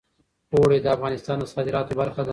اوړي د افغانستان د صادراتو برخه ده.